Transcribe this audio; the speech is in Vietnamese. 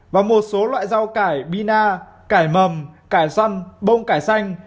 và một số loại rau cải bina cải mầm cải xoăn bông cải xanh